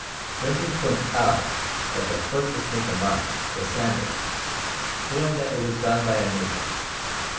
Brinton points out that the foot which made the mark was sandalled, showing that it was done by a native.